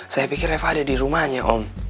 saya pikir eva ada di rumahnya om